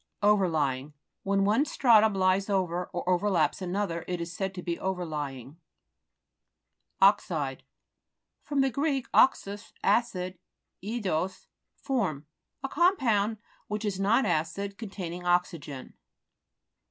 OVERLYING When one stratum lies over, or overlaps another, it is said to be overlying. OXFORD CLAY (p. 62). O'XIDE fr. gr. oxus, acid, eidos, form. A compound, which is not acid, containing oxygen.